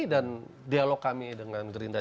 dan dialog kami dengan gerindra